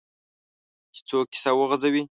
چې څوک کیسه وغځوي.